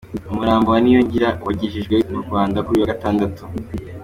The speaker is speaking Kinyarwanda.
Umurambo wa Niyongira wagejejwe mu Rwanda kuri uyu wa Gatandatu.